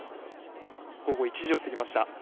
午後１時を過ぎました。